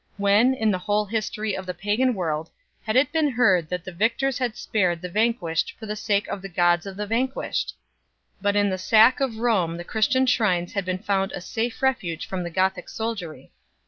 When, in the whole history of the pagan world, had it been heard that the victors had spared the van quished for the sake of the gods of the vanquished ? But in the sack of Rome the Christian shrines had been found a safe refuge from the Gothic soldiery.